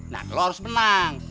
nah lo harus menang